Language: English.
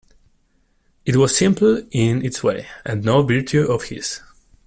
It was simple, in its way, and no virtue of his.